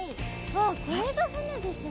わっこれが船ですね。